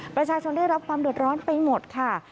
ประชาชนได้รับความเดือดร้อนไปหมดค่ะ